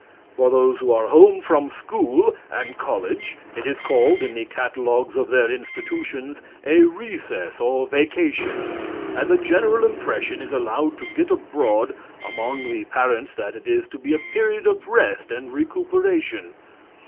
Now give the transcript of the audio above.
For those who are home from school and college it is called, in the catalogues of their institutions, a "recess" or "vacation," and the general impression is allowed to get abroad among the parents that it is to be a period of rest and recuperation.